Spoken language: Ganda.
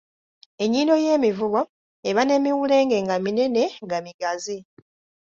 Ennyindo ey’emivubo eba n’emiwulenge nga minene nga migazi.